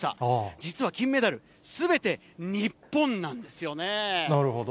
実は金メダル、すべて日本なんでなるほど。